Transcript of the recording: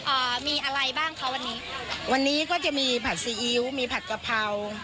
อ่ามีอะไรบ้างคะวันนี้วันนี้ก็จะมีผัดซีอิ๊วมีผัดกะเพรา